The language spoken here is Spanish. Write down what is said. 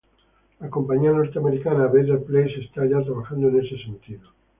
La compañía norteamericana Better Place está ya trabajando en este sentido.